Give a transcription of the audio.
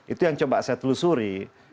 itu yang coba saya telusuri